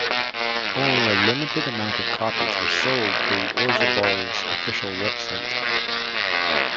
Only a limited amount of copies were sold through Orzabal's official website.